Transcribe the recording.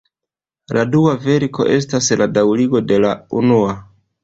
La dua verko estas la daŭrigo de la unua.